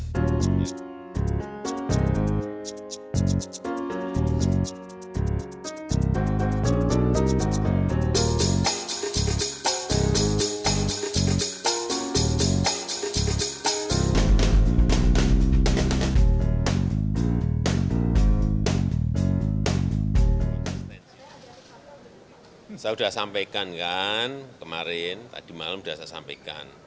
saya sudah sampaikan kan kemarin tadi malam sudah saya sampaikan